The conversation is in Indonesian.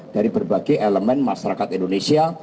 dari berbagai elemen masyarakat indonesia